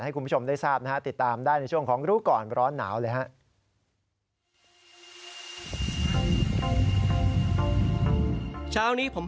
ให้คุณผู้ชมได้ทราบนะฮะติดตามได้ในช่วงของรู้ก่อนร้อนหนาวเลยฮะ